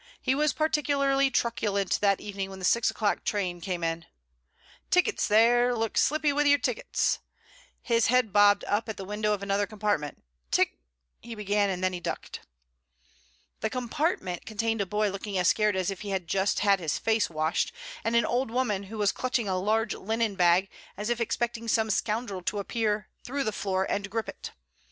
He was particularly truculent that evening when the six o'clock train came in. "Tickets, there; look slippy wi' your tickets." His head bobbed up at the window of another compartment. "Tick " he began, and then he ducked. The compartment contained a boy looking as scared as if he had just had his face washed, and an old woman who was clutching a large linen bag as if expecting some scoundrel to appear through the floor and grip it.